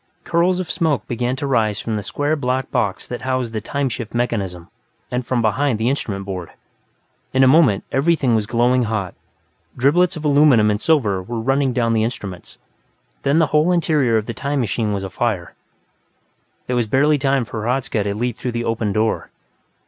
Curls of smoke began to rise from the square black box that housed the "time shift" mechanism, and from behind the instrument board. In a moment, everything was glowing hot: driblets of aluminum and silver were running down from the instruments. Then the whole interior of the "time machine" was afire; there was barely time for Hradzka to leap through the open door.